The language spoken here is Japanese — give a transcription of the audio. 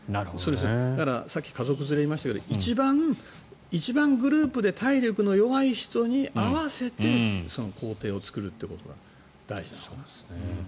だから、さっき家族連れがいましたが一番、グループで体力の弱い人に合わせて行程を作るということが大事です。